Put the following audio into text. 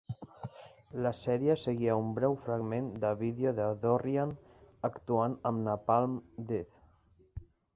La sèrie seguia un breu fragment de vídeo de Dorrian actuant amb Napalm Death.